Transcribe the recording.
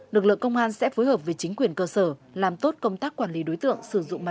lực lượng công an sẽ phối hợp với chính quyền cơ sở làm tốt công tác quản lý đối tượng sử dụng mạng